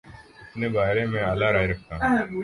اپنے بارے میں اعلی رائے رکھتا ہوں